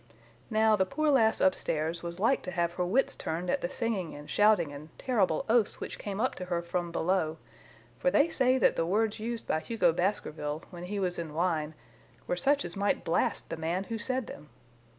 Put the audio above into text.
Now, the poor lass upstairs was like to have her wits turned at the singing and shouting and terrible oaths which came up to her from below, for they say that the words used by Hugo Baskerville, when he was in wine, were such as might blast the man who said them.